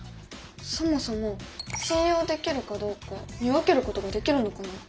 そもそも信用できるかどうか見分けることができるのかな？